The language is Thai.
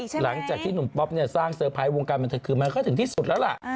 หลังจากที่หนุ่มป๊อปเนี่ยสร้างเซอร์ไพรส์วงการบันเทิงคือมันก็ถึงที่สุดแล้วล่ะ